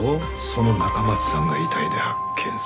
その中松さんが遺体で発見された。